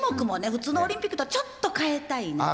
普通のオリンピックとちょっと変えたいねん。